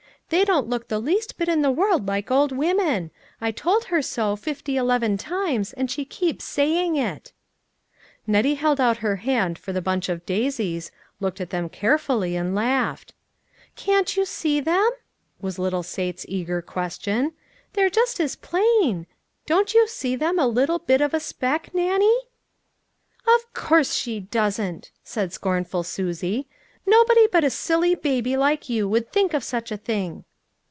They don't look the least bit in the word like old women. I told her so, fifty eleven times, and she keeps saying it !" Nettie held out her hand for the bunch of daisies, looked at them carefully, and laughed. " Can't you see them ?" was little Sate's eager question. " They are just as plain ! Don't you see them a little bit of a speck, Nannie ?"" Of course she doesn't !" said scornful Susie. " Nobody but a silly baby like you would think of such a thing."